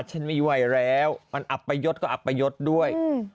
ฉันไม่ไหวแล้วมันอับประยศก็อัปยศด้วย